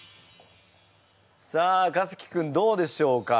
さあかつき君どうでしょうか？